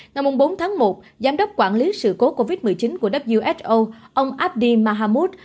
năm bốn tháng một giám đốc quản lý sự cố covid một mươi chín của who ông abdi mahamoud